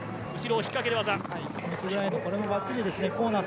後ろを引っかける技。